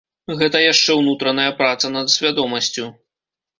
Гэта яшчэ ўнутраная праца над свядомасцю.